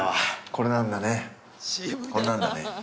◆これなんだね